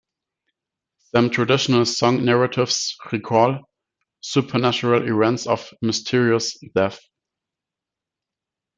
Some traditional song narratives recall supernatural events or mysterious deaths.